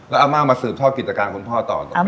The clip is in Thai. แล้วอำมาตย์มาสืบทอดกิจการคุณพ่อต่อต่อปีไหน